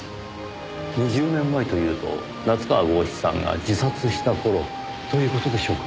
２０年前というと夏河郷士さんが自殺した頃という事でしょうか？